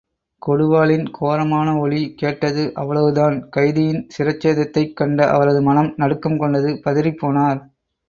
கொடுவாளின் கோரமான ஒலி கேட்டது அவ்வளவுதான் கைதியின் சிரச்சேதத்தைக் கண்ட அவரது மனம் நடுக்கம் கொண்டது பதறிப்போனார்!